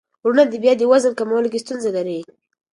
وروڼه بیا د وزن کمولو کې ستونزه لري.